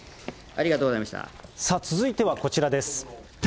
続いてはこちらです。